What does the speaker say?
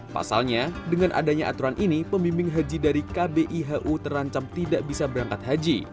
pasalnya dengan adanya aturan ini pembimbing haji dari kbihu terancam tidak bisa berangkat haji